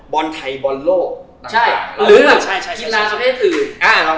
บอลไทยบอลโลกหรือฮิลาภาพแทนอื่น